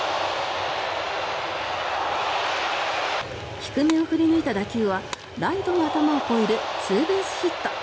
低めを振り抜いた打球はライトの頭を越えるツーベースヒット。